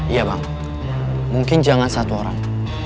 iya bang mungkin jangan satu orang